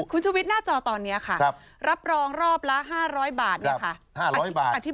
คุณจูวิทย์หน้าจอตอนนี้ค่ะรับรองรอบละ๕๐๐บาทนี่ค่ะอธิบายหน่อยได้ไหมครับ